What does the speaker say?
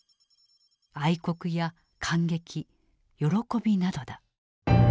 「愛国」や「感激」「喜び」などだ。